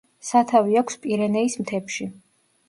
სათავე აქვს პირენეის მთებში.